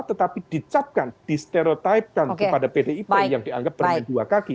tetapi dicapkan disterotipekan kepada pdip yang dianggap bermain dua kaki